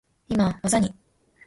今、技に…。